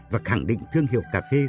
và khẳng định thương hiệu cà phê